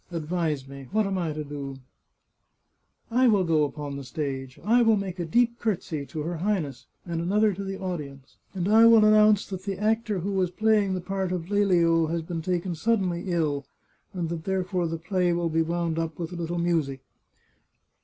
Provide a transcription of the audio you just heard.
Advise me. What am I to do ?"" I will go upon the stage ; I will make a deep courtesy to her Highness, and another to the audience, and I will an nounce that the actor who was playing the part of Lelio has been taken suddenly ill, and that therefore the play will be wound up with a little music.